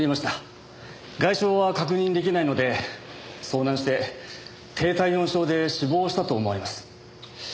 外傷は確認出来ないので遭難して低体温症で死亡したと思われます。